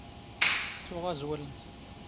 ⵜⵜⵓⵖ ⴰⵣⵡⵍ ⵏⵏⵙ.